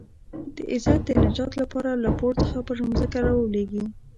د عزت د نجات لپاره له پوړ څخه پر ځمکه رالوېږي.